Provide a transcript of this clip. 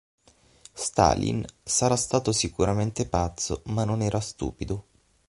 Stalin sarà stato sicuramente pazzo ma non era stupido.